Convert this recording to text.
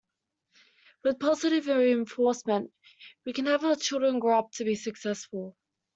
With positive reinforcement, we can have our children grow up to be successful.